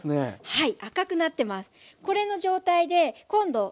はい。